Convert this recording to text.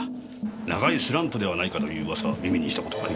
長いスランプではないかという噂耳にした事があります。